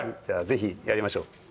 じゃあぜひやりましょう。